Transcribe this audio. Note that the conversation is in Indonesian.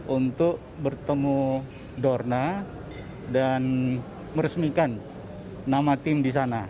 untuk bertemu dorna dan meresmikan nama tim di sana